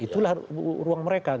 itulah ruang mereka